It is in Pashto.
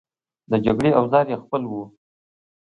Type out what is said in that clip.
د جګړې اوزار یې خپل وو.